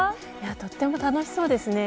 とても楽しそうですね。